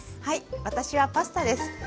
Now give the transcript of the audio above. はい私はパスタです。